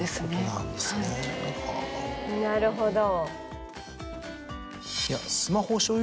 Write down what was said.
なるほど。